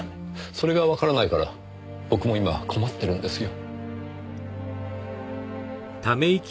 それがわからないから僕も今困ってるんですよ。